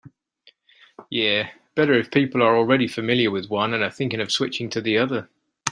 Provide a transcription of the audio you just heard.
Yeah, better if people are already familiar with one and are thinking of switching to the other.